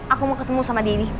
aku mau ketemu sama dini